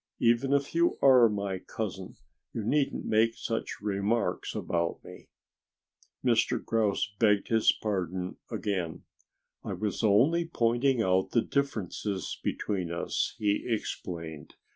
"Even if you are my cousin you needn't make such remarks about me." Mr. Grouse begged his pardon again. "I was only pointing out the differences between us," he explained.